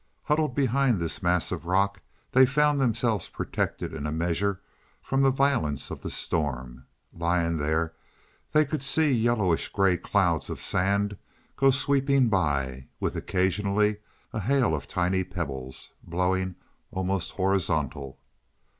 Huddled behind this mass of rock, they found themselves protected in a measure from the violence of the storm. Lying there, they could see yellowish gray clouds of sand go sweeping by, with occasionally a hail of tiny pebbles, blowing almost horizontal.